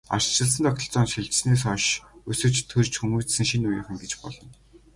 Ардчилсан тогтолцоонд шилжсэнээс хойш өсөж, төрж хүмүүжсэн шинэ үеийнхэн гэж болно.